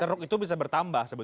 ceruk itu bisa bertambah